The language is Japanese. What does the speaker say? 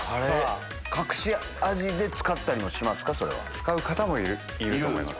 使う方もいると思います。